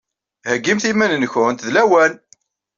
Heggimt iman-nkent d lawan!